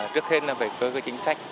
trước hết là về cơ cơ chính sách